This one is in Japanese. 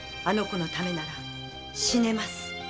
あの子のためなら死ねます